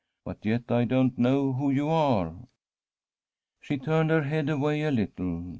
But yet I don't know who you are/ She turned her head away a little.